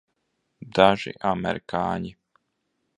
Daži amerikāņi.